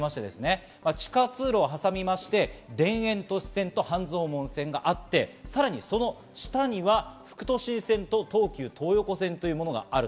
地下通路を挟みまして、田園都市線と半蔵門線があって、さらにその下には副都心線と東急東横線というものがあります。